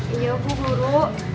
iya bu guru